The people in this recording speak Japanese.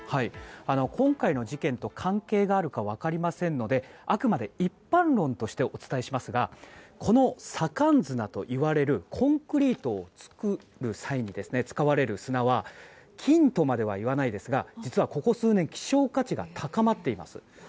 今回の事件と関係があるか分かりませんのであくまで一般論としてお伝えしますがこの左官砂といわれるコンクリートを作る際に使われる砂は金とまではいいませんが実はここ数年希少価値が高まっています。